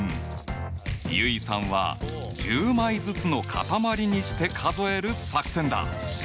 結衣さんは１０枚ずつの塊にして数える作戦だ！